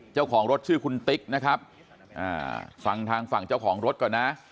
เจ้าของรถชื่อคุณติ๊กนะครับอ่าฟังทางฝั่งเจ้าของรถก่อนนะ